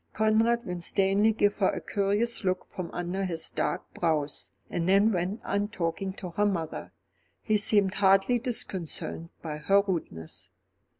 Conrad Winstanley gave her a curious look from under his dark brows, and then went on talking to her mother. He seemed hardly disconcerted by her rudeness.